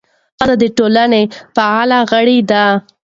ښځې د ټولنې فعاله غړي دي.